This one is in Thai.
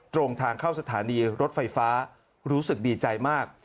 ตรงทางเข้าสถานีรถไฟฟ้ารู้สึกดีใจมาก